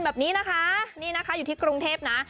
แบบนี้นะคะอยู่ที่กรุงเทพฯนะ